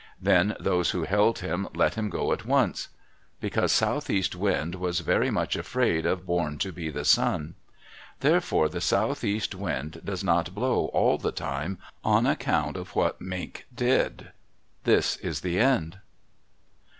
Then those who held him let him go at once, because Southeast Wind was very much afraid of Born to be the Sun. Therefore the southeast wind does not blow all the time, on account of what Mink did. This is the end.